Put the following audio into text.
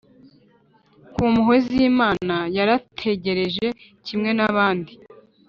ku mpuhwe z’imana. yarategereje kimwe n’abandi